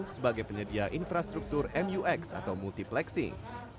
sebagai penyedia infrastruktur mux atau multiplexing